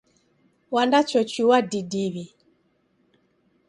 Wandaghochua didiw'i.